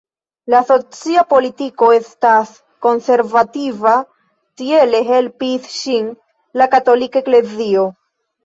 La socia politiko estas konservativa, tiele helpis ŝin la Katolika eklezio.